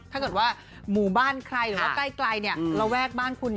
ถ้าเกิดว่าหมู่บ้านใกล้ระแวกบ้านคุณ